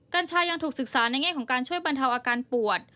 กัญชายังถูกศึกษาในแง่ของการช่วยบรรเทาอาการปวด